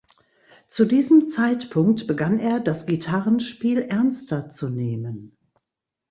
Zu diesem Zeitpunkt begann er das Gitarrenspiel ernster zu nehmen.